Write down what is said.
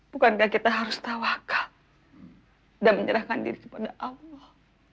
bukankah kita harus tawakah dan menyerahkan diri kepada allah